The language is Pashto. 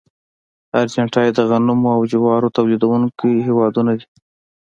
ارجنټاین د غنمو او جوارو تولیدونکي هېوادونه دي.